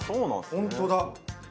本当だ！